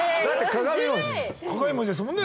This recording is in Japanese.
鏡文字ですもんね。